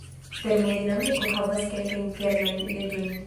Termodinamiko havas kelkajn kernajn leĝojn.